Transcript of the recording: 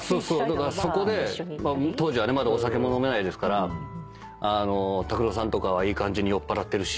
だからそこで当時はまだお酒も飲めないですから拓郎さんとかはいい感じに酔っぱらってるし。